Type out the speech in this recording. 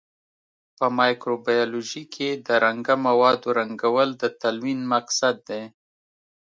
په مایکروبیولوژي کې د رنګه موادو رنګول د تلوین مقصد دی.